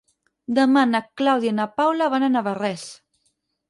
Demà na Clàudia i na Paula van a Navarrés.